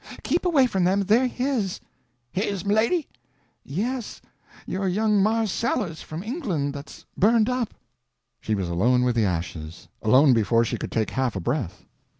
Keep away from them—they're his." "His, m' lady?" "Yes—your young Marse Sellers from England that's burnt up." She was alone with the ashes—alone before she could take half a breath.